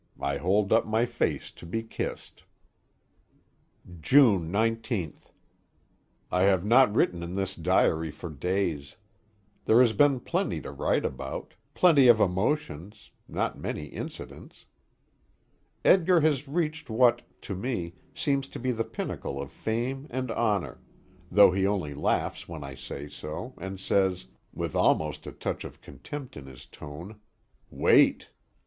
I hold up my face to be kissed. June 19th. I have not written in this diary for days. There has been plenty to write about plenty of emotions, not many incidents. Edgar has reached what, to me, seems the pinnacle of fame and honor though he only laughs when I say so, and says, with almost a touch of contempt in his tone "Wait!"